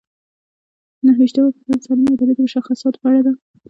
نهه ویشتمه پوښتنه د سالمې ادارې د مشخصاتو په اړه ده.